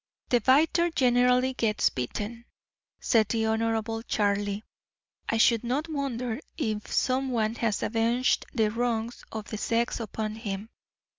"The biter generally gets bitten," said the Honorable Charlie. "I should not wonder if some one has avenged the wrongs of the sex upon him.